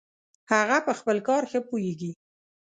هغه په خپل کار ښه پوهیږي